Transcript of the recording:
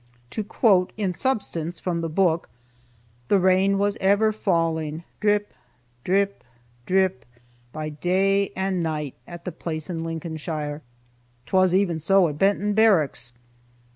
To quote (in substance) from the book, "The rain was ever falling, drip, drip, drip, by day and night," at "the place in Lincolnshire." 'Twas even so at Benton Barracks.